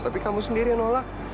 tapi kamu sendiri yang nolak